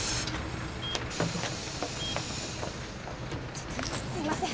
ちょっとすいません。